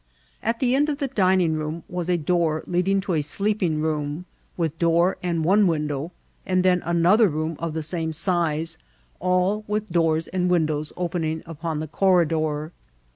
At the end of the dining rocHn was a door leading to a skeping rocKn, with door and one window, and then another room of the same sixa^ all with doors and windows opening upon the corridor.